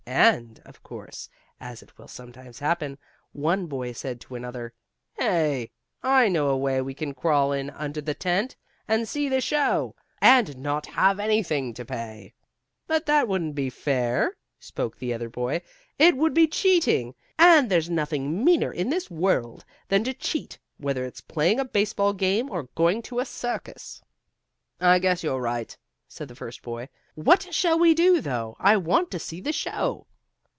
And, of course, as it will sometimes happen, one boy said to another: "Hey! I know a way we can crawl in under the tent, and see the show, and not have anything to pay." "But that wouldn't be fair," spoke the other boy. "It would be cheating, and there's nothing meaner in this world than to cheat, whether it's playing a baseball game or going to a circus." "I guess you're right," said the first boy. "What shall we do, though? I want to see the show."